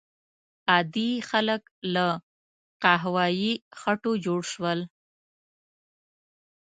عادي خلک له قهوه یي خټو جوړ شول.